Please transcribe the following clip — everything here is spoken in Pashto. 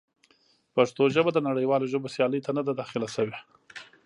پښتو ژبه د نړیوالو ژبو سیالۍ ته نه ده داخله شوې.